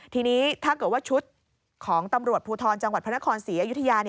ทีนี้ถ้าเกิดว่าชุดของตำรวจภูทรจังหวัดพระนครศรีอยุธยา